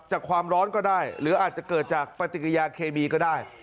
ความร้อนก็ได้หรืออาจจะเกิดจากปฏิกิยาเคมีก็ได้